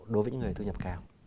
đối với những người thu nhập cao